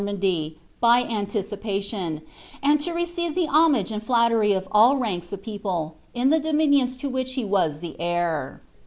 55] rnga, in ITnnnanily, by anticipBtion, and to receive the homage and Aaucry of all ranks of people, in the dominions lo which he was iha hrir.